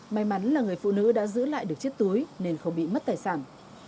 may mắn là người phụ nữ đã giữ lại được chiếc túi nên không bị mất tài sản